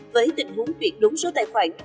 với tình huống chuyển đúng số tài khoản